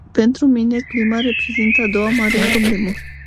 Pentru mine, clima reprezintă a doua mare problemă.